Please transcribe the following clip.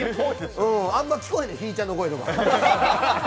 あんまり聞こえへん、ひぃちゃんの声とか。